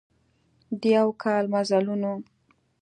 د یوه کال مزلونه